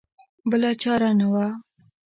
بله چاره نه وه.